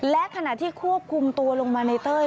และขณะที่ควบคุมตัวลงมาในเต้ย